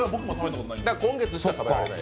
今月しか食べられない。